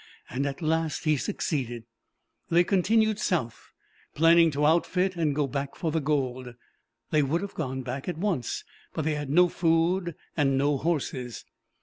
And, at last, he succeeded. "They continued south, planning to outfit and go back for the gold. They would have gone back at once, but they had no food and no horses.